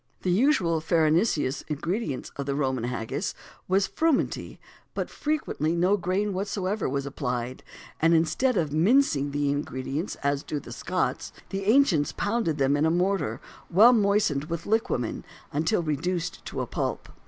The usual farinaceous ingredient of the Roman haggis was frumenty, but frequently no grain whatever was applied; and instead of mincing the ingredients, as do the Scots, the ancients pounded them in a mortar, well moistened with liquamen, until reduced to pulp.